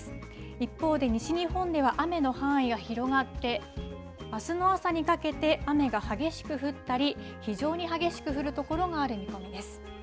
一方で西日本では雨の範囲が広がって、あすの朝にかけて雨が激しく降ったり、非常に激しく降る所がある見込みです。